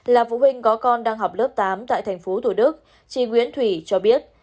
là phụ huynh có con đang học lớp tám tại tp tq tri nguyễn thủy cho biết